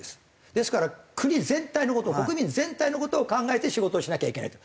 ですから国全体の事を国民全体の事を考えて仕事をしなきゃいけないと。